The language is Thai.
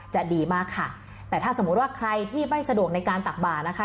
จะดีมากค่ะแต่ถ้าสมมุติว่าใครที่ไม่สะดวกในการตักบาดนะคะ